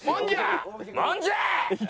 もんじゃ！